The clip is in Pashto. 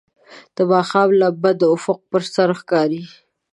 د ماښام لمبه د افق پر سر ښکاري.